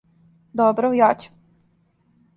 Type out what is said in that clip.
Добро, ја ћу.